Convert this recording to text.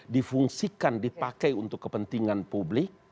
difungsikan dipakai untuk kepentingan publik